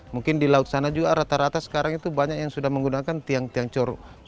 mungkin di laut sana juga rata rata sekarang itu banyak yang sudah menggunakan tiang tiang coro